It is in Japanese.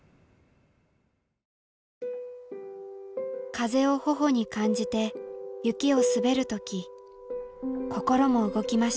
風を頬に感じて雪を滑る時心も動きました。